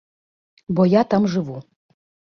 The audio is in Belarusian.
Бо я там жыву.